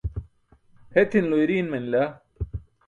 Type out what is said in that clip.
Pʰetinulo iriin manila.